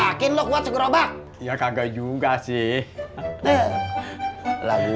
makin kalau kuat segeroba iyo kaget juga sih lagu'm